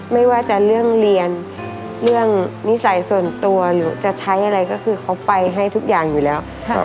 ไม่ว่าจะเรื่องเรียนเรื่องนิสัยส่วนตัวหรือจะใช้อะไรก็คือเขาไปให้ทุกอย่างอยู่แล้ว